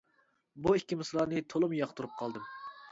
بۇ ئىككى مىسرانى تولىمۇ ياقتۇرۇپ قالدىم.